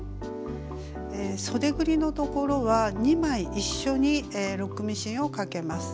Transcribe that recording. そでぐりのところは２枚一緒にロックミシンをかけます。